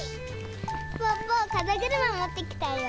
ぽぅぽかざぐるまもってきたよ。